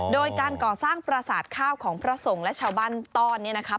โดยการก่อสร้างประสาทข้าวของพระสงฆ์และชาวบ้านต้อนเนี่ยนะครับ